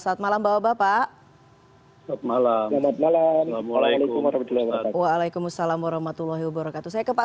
saat malam bapak bapak